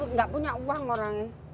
nggak punya uang orangnya